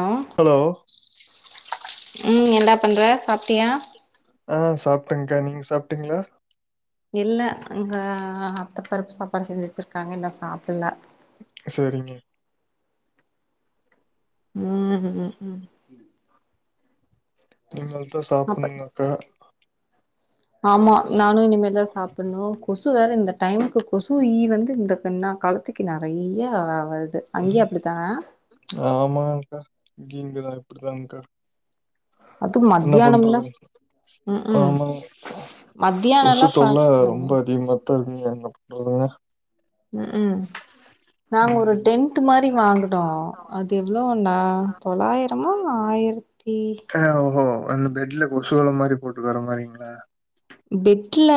ஆஹ் hello ம் என்னடா பண்ற சாப்ட்டியா ஆஹ் சாப்ட்டேக்கா நீங்க சாப்ட்டீங்ளா இல்ல அங்க அத்த பருப்பு சாப்பாடு செஞ்சி வச்சிருக்காங்க இன்னு சாப்புல சேரிங்க உம் உம் உம் இனிமே தா அப்ப சாப்பிட்ணு அக்கா ஆமா நானு இனிமேல்தா சாப்பிட்ணு கொசு வேற இந்த டைமுக்கு கொசு ஈ வந்து இந்தன்ன காலத்துக்கு நெறைய வருது அங்கேயு அப்டித்தா ஆமாக்காங்க இங்கயு இப்டிதானக்கா அதுவு என்ன மத்தியானம்லா பண்றது ம் ம் ஆமா கொசு மத்தியானோல்லா தொல்ல ரொம்ப பாக்கணுமே அதிகமாத்தா இருக்கு என்ன பண்றதுங்க உம் உம் நாங்க ஒரு ம். டென்ட் மாரி வாங்குனோ அது எவ்ளோனா தொள்ளாயிரமோ ஆயிரத் தி ஆ ஓஹோ அந்த பெட்ல கொசுவல மாரி போட்டு வர மாரிங்ளா பெட்ல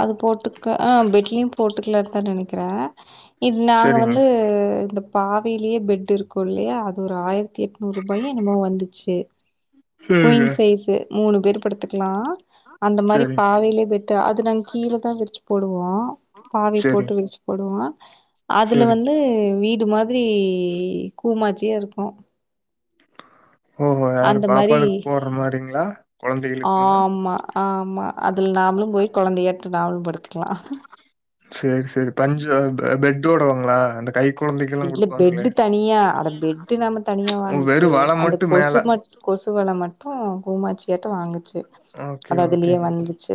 அது போட் டுக்க ஆ பெட்லயு போட்டுக்கலன்னுதா நெனைக்கிறே இது நாங்க சரிங்க. வந்து இந்த பாவையிலயே பெட் இருக்கு இல்லயா அது ஒரு ஆயிரத்தி எட்நூறு ரூபாயோ என்னமோ வந்துச்சு சரிங்க. குயின் சைஸ்ஸு மூணு பேர் படுத்துக்கலா அந்த மாரி சரி, பாவையிலே பெட்டு அது நாங்க கீழ தா விரிச்சு போடுவோ பாவை சரி, போட்டு விரிச்சு போடுவோ அதுல சரி. வந்து வீடு மாரி கூமாச்சியா இருக்கு ஓஹோ யாரு அந்த மாரி பாப்பால்க்கு போடுற மாரிங்ளா ஆமா ஆமா அதுல நாமளு போய் கொழந்தையாட்டோ நாமளு படுத்துக்லா செர் செரி பஞ்சு பெட்டோடவாங்களா அந்த கை குழந்தைக்கெல்லாம் இல்ல குடுப்பாங்களே. பெட்டு தனியா அட பெட்டு நம்ம தனியா வாங்கிச்சு வெறும் வல அந்த மட்டும் மேல. கொசு மட் கொசுவல மட்டு கூமாச்சியாட்டோ வாங்குச்சு ஓகே அது அதுலயே வந்துச்சு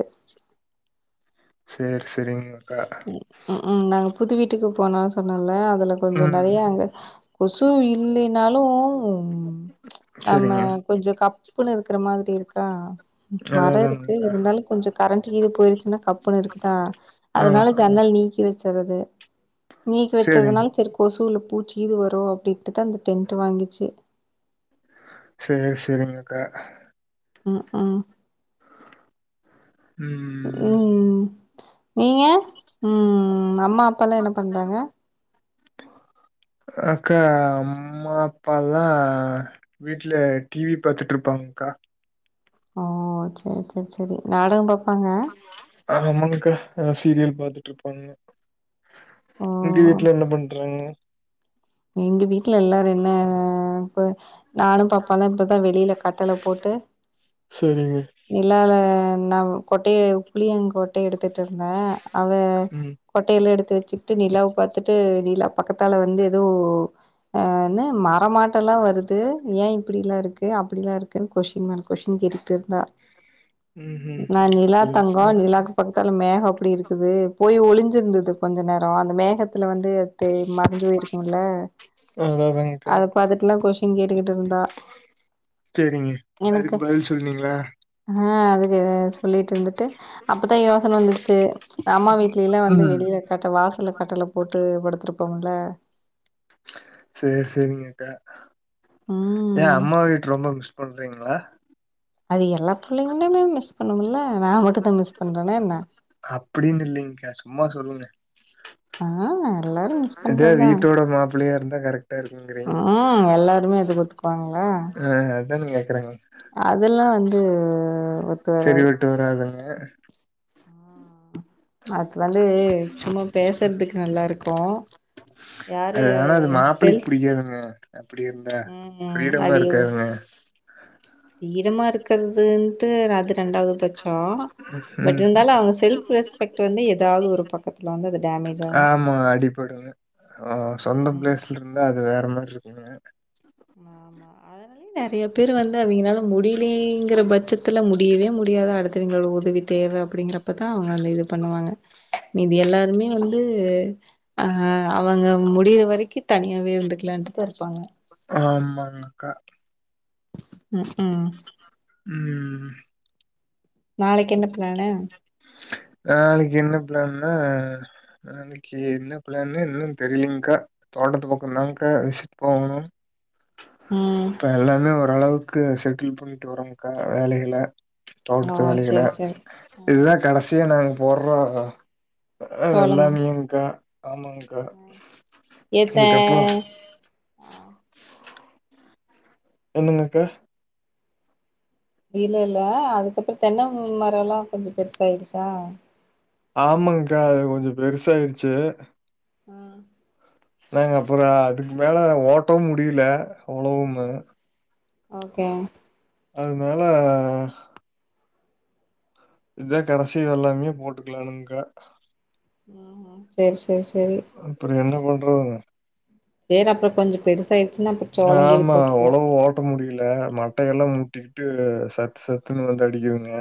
சேர் செரிங்கக்கா ம் ம் நாங்க புது வீட்டுக்கு போனோ சொன்னல அதுல கொஞ்சோ ம். நெறைய அங்க கொசு இல்லனாலும் நம்ம சரிங்க. கொஞ்சோ கப்புன்னு இருக்கிற மாதிரி இருக்கா அதான் மரொ இருக்கு அதானுங்கக்கா. இருந்தாலு கொஞ்சோ கரண்ட் கீது போய்ருச்சுன்னா கப்புன்னு இருக்கா ஆ அதனால ஜன்னல் நீக்கி வச்சுறது நீக்கி சரிங்க. வச்சதனால சேரி கொசு இல்ல பூச்சி கீது வரு அப்டின்ட்டு தா இந்த டென்ட்டு வாங்கிச்சு சேரி செரிங்கக்கா ம் ம் ம். ம் நீங்க ம் அம்மா அப்பால்லா என்ன பண்றாங்க அக்கா அம்மா அப்பால்லா வீட்ல டிவி பாத்துட்டுருப்பாங்கக்கா ஓ சேரி சேரி சேரி நாடகம் பாப்பாங்க ஆ ஆமாங்கக்கா சீரியல் பாத்துட்டுருப்பாங்க ஓ உங்க வீட்ல என்ன பண்றாங்க எங்க வீட்ல எல்லாரு என்ன கொ நானு பாப்பாவு இப்பதா வெளில கட்டுல போட்டு சரிங்க. இல்லல நா கொட்டைய புளியங் கொட்டைய எடுத்துட்டுருந்தே அவ ம். கொட்டைல எடுத்து வச்சுக்கிட்டு நிலாவ பார்த்துட்டு நிலா பக்கத்தால வந்து எதோ அ என்ன மரமாட்டோல்லா வருது ஏ இப்டில்லாருக்கு அப்டிலாருக்குன்னு கொஸ்டின் மேல கொஷ்டின் கேட்டு ட்டுருந்தா ம்ஹ்ம். நா நிலா சரி, தங்கோ சரி. நிலாக்கு பக் துல மேகோ அப்டிருக்குது போய் ஒளிஞ்சிருந்துது கொஞ்சோ நேரோ அந்த மேகத்துல வந்து து மறைஞ்சு போய் குல அதான் அதாங்கக்கா. அத பாத்துட்டுல்லா கொஷ்டின் கேட்டுட்டுருந்தா சேரிங்க அதுக்கு பதில் சொன்னீங்ளா அ அதுக்கு சொல்லிட்டுருந்துட்டு அப்பதா யோசன வந்துச்சு அம்மா வீட் கீழ வந்து ம். வெளில கட்ட வாசல்வ கட்டுல போட்டு படுத்துருப்போம்ல சேரி சேரிங்க ஏ ம் அம்மா வீட்டு ரொம்ப மிஸ் பண்றீங்ளா அது எல்லா பிள்ளைங்களுமே மிஸ் பண்ணும்ல நா மட்டுந் தா மிஸ் பண்றேனா என்ன அப்டின்னு இல்லைங்கக்கா சும்மா சொல்லுங்க ஆ எல்லாரு மிஸ் இதே பண்றதுதா வீட்டோட மாப்பிள்ளையாருந்தா கரெக் டாருக்குங்றீங்க ம் எல்லாருமே அதுக்கு ஒத்துக்குவாங்களா ஆ அதானங்க கேக்குறாங்க அதெல்லா வந்து ஒத்து வராது ஒத்து வராதுங்க அது வந்து சும்மா பேசுறதுக்கு நல்லாருக்கு யாரு செல்ஸ் குதுங்க அப்டிருந்தா ஃப்ரீடமாருக்காதுங்க ஃப்ரீடமாருக்கிறதுன்ட்டு அது ரெண்டாவது பட்சோ பட் ம் இருந்தாலு அவுங்க செல்ப் ரெஸ்பெக்ட் வந்து ஏதாது ஒரு பக்கத்துல வந்து அது டேமேஜ் ஆகு ஆமாங்க அடிப் போட்டுங்க ஆ சொந்த ம் பிளேஸ்ல இருந்தா அது வேற மார் இருக்குங் ஆமா ஆமா அதனாலயே நிறைய பேர் வந்து அவிங்லால முடிலீங்கற பட்சத்துல முடியவே முடியாத அடுத்தவிங்களோட உதவி தேவ அப்டிங்கறப் ப்பத்தா அவங்க அந்த இது பண்ணுவாங்க மீதி எல்லாருமே வந்து அ அவங்க முடி வரைக்கு தனியாவே இருந்துக்கலான்ட்டு தா இருப்பாங்க ஆமாங்க அக்கா [unintelligible] ம் நாளைக்கு என்ன பிளானு நாளைக்கு என்ன பிளான்னா நாளைக்கு என்ன பிளான்னு இன்னு தெரிலிங்க்கா தோட்டத்து பக்கம்தாங்கா விசிட் போகணு ம் கா எல்லாமே ஓரளவுக்கு செட்டில் பண்ணிட்டு வரோங்கா வேலையில ஓ தோட்டத்து வேலைகள சேரி சேரி ம் எல்லா கடைசிய நாங்க போற்றோ சோளமா வெள்ளாமியுங்கா ஆமாங் கா ஏத்த இதுக்அப்புற ஆ என்னங்கக்கா இல்ல இல்ல அதுக்கப்புற தென் மரம் எல்லா கொஞ்ச பெருஸ் ஆயிடுச்சா ஆமாங்க்கா அது கொஞ்ச பெருச ஆயிருச்சு அ நாங்க அப்பற அதுக்கு மேல ஓட்டவு முடியில உளவும்மு ஓகே அதுனால இத கடைசி வெல்லாமியு போட்டுக்கலானுகா ஆமா சேர் சேர் சேரி அப்புற என்ன பண்றதுங்க சேரி அப்பற கொஞ்ச பெருசாயிர்ச்சின்னா அப்ற சோளேங்கீது போட்டுக்கலா ட்ட முடியல மட்டயெல்லா முட்டிக்கிட்டு சத்து சத்துன்னு வந்து அடிக்கிதுங்க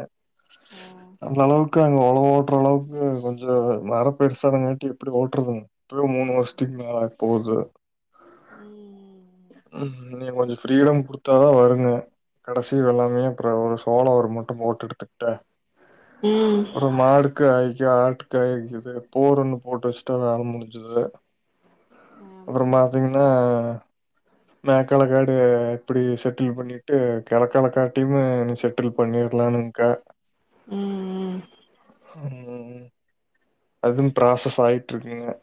ம் அந்த அளவுக்கு அங்க ஒழவு ஓட்டுற அளவுக்கு கொஞ்ச மர பெருசான்னங்காட்டி எப்டி ஓட்றதுங் இப்பவே மூனு வருஷத்திக் மேல ஆ போது ம் ம் நீங்க கொஞ்சம ஃப்ரிடம் குடுத்தாதா வருங்க கடைசி வெல்லாமையே அப்ற ஒரு சோள ஒரு மூட்ட பேட்டு எடுத்து டா ம் அப்ற மாடுக்கு ஆய்க்கு ஆட்டு கா இது போர் ஒன்னு போட்டு வச்சுட்டா வேல முடிஞ்சுது ஆமா அப்பறம் ஆமா ஆமா பாத்தீங்கன்னா மேக்காலக்காடு எப்படி செட்டில் பண்ணிட்டு கிழக்காலக்காட்டியுமே செட்டில் பண்ணிடலான்னுங் கா ம் ம் அதுவு ப்ராசஸ் ஆயிட்ருக்குங்க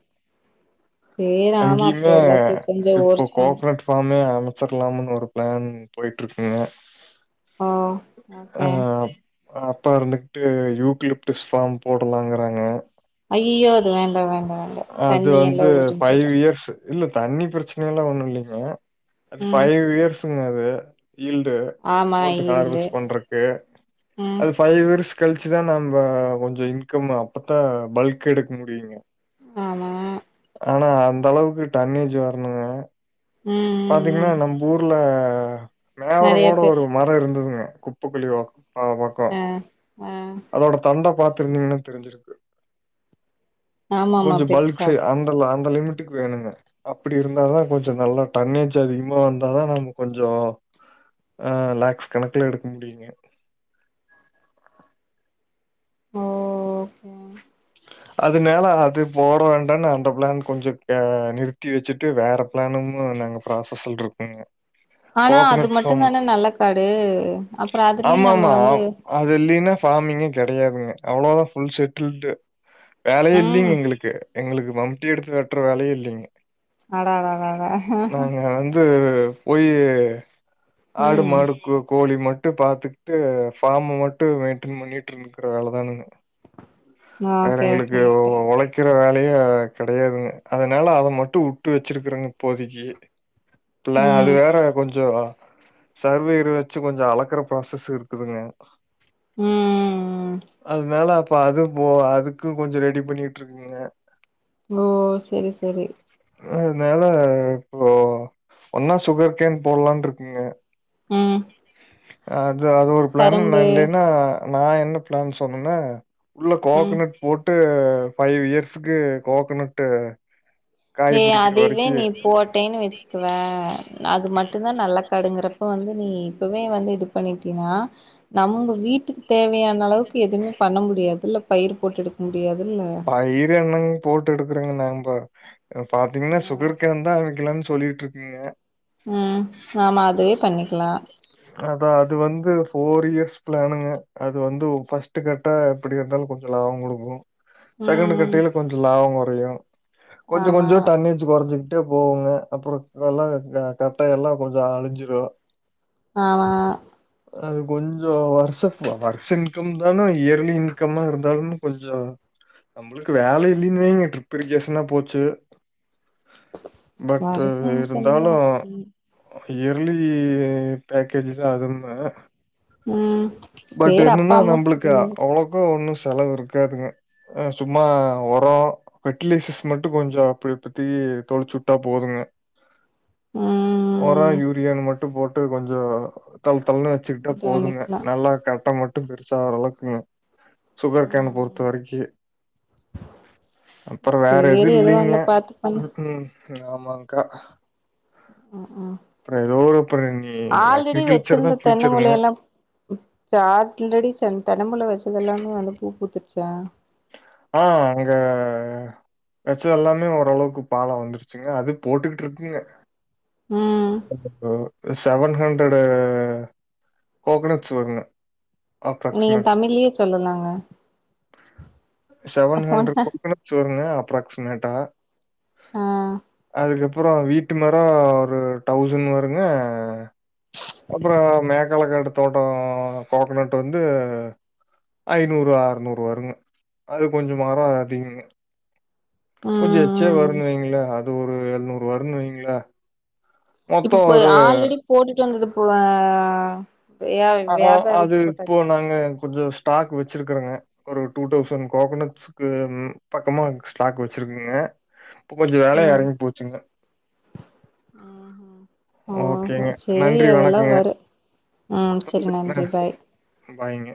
சேரி ஆமா அங்கேயுமே அப்புறோ எல்லாத்தையு கொஞ்சோ இப்போ ஓர்ஸ் பண்ணு கோகனட் ஃபாம்மே அமச்சர்லாமுன்னு ஒரு பிளான் போயிட்டு இருக்குங்க ஓ ஆ ஓகே அப்பா இருந்துகிட்டு யூக்லிப்டிஸ் ஃபாம் போடலாங்கறாங்க ஐயையோ அது வேண்டா வேண்டா வேண்டா தண்ணி எல்லா உறிஞ்சிடும் இயர்ஃப் இல்ல தண்ணி பிரச்சன எல்லா ஒண்ணு இல்லைங்க அது ம் பைவ் இயர்ஸ் துன்னது ல்டு ஆமா போட்டு ஈல்டு ஹார்வஸ்ட் பண்றக்கு ம் அது பைவ் இயர்ஸ் கழிச்சுதா நம்ப கொஞ்சோ இன்கம் அப்பத்தா பல்க் எடுக்க முடியுங்க ஆமா ஆனா அந்த அளவுக்கு டன்னேஜ் வரணுங்க ம் ம் பாத்தீங்கன்னா ம் நம்ப் ஊர்ல நெறைய மேவரங்கோட பேர் ஒரு மரம் இருந்ததுங்க குப்பக்குழி ஓ அந்த பக்கோ ஆ ஆ அதோட தண்ட பாத்துருந்தீங்கன்னா தெருஞ்ருக்கு ஆமாமா கொஞ்சோ பல்க் பெருசா சை அந்த அந்த லிமிட் டுக்கு வேணுங்க அப்டி இருந்தாதா கொஞ்சோ நல்லா டன்னேஜ் அதிகமா வந்தாதா நம்ம கொஞ்சோ ஆ லாக்ஸ் கணக்குல எடுக்க முடியுங்க ஓஃபு அதனால அது போட வேண்டாம்னு அந்த ப்ளான் கொஞ்சோ நிறுத்தி வச்சுட்டு வேற ப்ளானு நாங்க ப்ராசஸ்ல்ல இருக்குங்க ஆனா அது மட்டும் தான நல்ல காடு அப்றோ அதுலயு நம்ம ஆமாமா. வந்து அது இல்லைன்னா ஃபார்மிங்கே கெடையாதுங்க அவ்வளோதா ஃபுல் செட்டில்டு வேலையே இல்லீங்க ம் எங்ளுக்கு எங்களுக்கு மம்ட்டி எடுத்து வெட்டுற வேலையே இல்லிங்க அடாடாடாட நாங்க வந்து போய் ஆடு ம் மாடுக்கு கோழி மட் டு பாத்துக்கிட்டு பார்ம்ம மட்டு மெயின்டன் பண்ணிட்டு இருந்க்குற வேலதானுங்க னாகே ஓகே ஓகே க்கிற வேலையே கெடையாதுங்க அத்னால அத மட்டு வுட்டு வச்சிருக்குறேங்க இப்போதிக்கி ப்லா அது ம் வேற கொஞ் ஜோ வா சர்வேரை வச்சு கொஞ்ச அளக்குற ப்ராசஸ் இருக்குதுங்க ம் ம் ம் அத்னால அப்ப அது போ அதுக் க்கு கொஞ்சோ ரெடி பண்ணிட்டு இருக்குங்க ஓ சேரி சேரி அத்னால இப்போ ஒன்னா சுகர் கேன் போட்லானு இருக்குங்க ம் அது அது ஒரு ப்ளான் கரும்பு இல்லைன்னா நா என்ன பிளான் சொன்னேன்னா உள்ள ம் கோகனட் போட்டு ஃபைவ் இயர்ஸுக்கு கோகனட்டு் ஏ அதுவே நீ போட் டேன்னு வச்சுக்வே அது மட்டும் தா நல்லா கடுங்குறப்ப வந்து நீ இப்பவே வந்து இது பண்ணிட்டி‌ன்னா நம்ம வீட்டுக்கு தேவையான அளவுக்கு எதுமே பண்ண முடியாதுல்ல பயிர் போட்டு எடுக்க முடியாதுல்ல அத் ஈரியா எண்ணம் போட்டு எடுக்கறங்க நாம்ப பாத்தீங்கன்னா சுகர்கேன் தா அமைக்கலானு சொல்லிட்டு இருக் நீங்க உம் ஆமா அதுவே பண்ணிக்கலா அதா அது வந்து ஃபோர் இயர்ஸ் ப்ளானுங்க அது வந்து பஸ்ட்டு கட ப எப்டி இருந்தாலு கொஞ்சலா அவுங்களுக்கு செகண்ட் ம் கட்டைல கொஞ்சொ லாபோ குறையு கொஞ்ச ஆமா கொஞ்சோ தண்ணி து கொறஞ்சுக்கிட்டே போகுங்க அப்றோ எல்லா கட்ட எல்லா கொஞ்சோ அழிஞ்சிரு ஆ அது கொஞ்ச வருஷ வருஷ இன்கம் தானும் இயர்லி இன்கம்மா இருந்தாலும் கொஞ்சம் நம்மளுக்கு வேல இல்லைன்னு வைங்க ட்ரிப்ரிகேஷன்னா போச்சு பட் வருச இன்கம்தா இருந்தாலு ம் இயர்லி பேக்கேஜ் தா அதும உம் பட் என்னன்னா நம்மளுக்கு அவ்வளவுக் ஒண்ணு செலவு இருக்காதுங்க அ சும்மா ஒரோ பெட்டிலேசஸ் மட்டு கொஞ்சோ அப்டி பத்தி தொலுசுட்டா போதுங்க ஒரோ ம் யூரியான்னு மட்டு போட்டு கொஞ்சோ தள்ள தள்ளனு வச்சுக்கிட்டா இது போதுங்க பண்ணிக்கலா எல்லா கட்ட மட்டு பெருசா ரளவுக்குங்க சுகர் கேன் பொறுத்த ம் வரக்கி அப்றோ வேற எதுவு சேரி ஏதோ இல்லைங்க ஒண்ணு பாத்து பண்ணு உம் ம் ஆமாங்கா உம் ம் அப்றோ ஏதோ ஒரு ப்ரென் ஆல்ரெடி வச்சிருந்த தென்ன மூலைய எல்லா சால்ரெடி ச தென்னமுல வச்சது எல்லாமே வந்து பூ பூத்துருச்சா ஆ அங்க வச்சது எல்லாமே ஓரளவுக்கு பாலோ வந்துருச்சுங்க அது போட்டுக்கிட்டு இருக்குங்க உம் ஆ செவன் ஹண்ட்ரடு கோகனட்ஸ் வருங்க நீங்க அப்ரோக்ஸிமேட் தமிழ்லயே சொல்லலாங்க செவேன்ஹன்டர்ட் ஒன்ன கோக்ன ட்ஸ் வருங்க அப்ராக்சிமேட்டா ஆ அது அப்றோ வீட்டு மரோ ஒரு தௌசண்ட் வருங்க அப்றோ மேக்காலக்காட்டு தோட்டோ கோக்கனட் வந்து ஐநூறு அறுநூறு வருங்க அது கொஞ்சோ மரோ அதிகோ கொஞ்சோ ம் எச்சே வ ம் வருனுவைங்களே அது ஒரு எழுநூறு வருனுவைங்களே இப்ப போய் ஆல்ரெடி போட்டுட்டு வந்தது இப்போவ ஆஹ அது இப்போ நாங்க கொஞ்சோ ஸ்டாக் வச்சிருக்கறோங்க ஒரு டூ தௌசண்ட் கோகனட்ஸ் க்கு பக்கமா ஸ்டாக் வச்சிருக்குங்க இப்போ கொஞ்சோ வேலையா ம் எறங்கி போச்சுங்க ம் ம் ஓ ஓகேங்க சேரி நன்றி அதெல்லா வணக்கங்க வரு ம் செரி நன்றி பாய் ஆ பாய்ங்க